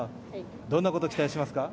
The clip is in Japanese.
どんなこと期待しますか？